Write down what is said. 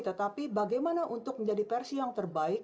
tetapi bagaimana untuk menjadi versi yang terbaik